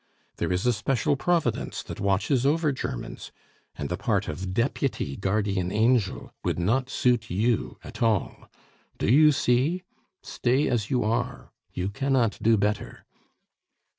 There is a special Providence that watches over Germans, and the part of deputy guardian angel would not suit you at all. Do you see? Stay as you are you cannot do better."